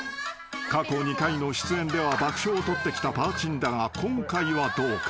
［過去２回の出演では爆笑を取ってきたパーちんだが今回はどうか？］